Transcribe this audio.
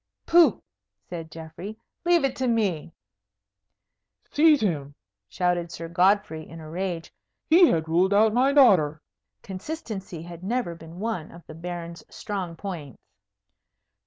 "Pooh!" said Geoffrey, "leave it to me." "Seize him!" shouted Sir Godfrey in a rage. "He had ruled out my daughter." Consistency had never been one of the Baron's strong points.